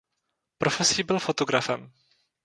Profesí byl fotografem.